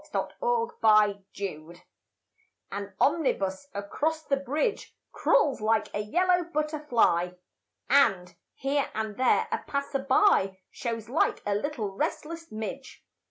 SYMPHONY IN YELLOW AN omnibus across the bridge Crawls like a yellow butterfly And, here and there, a passer by Shows like a little restless midge.